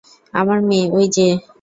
আমার মেয়ে, ওই যে।